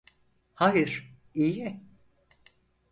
Hayır, iyi.